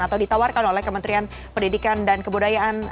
atau ditawarkan oleh kementerian pendidikan dan kebudayaan